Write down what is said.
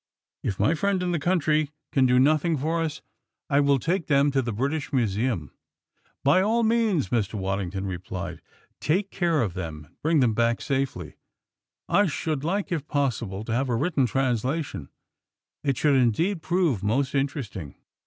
If my friend in the country can do nothing for us, I will take them to the British Museum." "By all means," Mr. Waddington replied. "Take care of them and bring them back safely. I should like, if possible, to have a written translation. It should indeed prove most interesting."